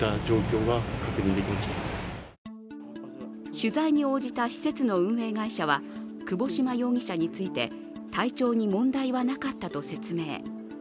取材に応じた施設の運営会社は窪島容疑者について体調に問題はなかったと説明。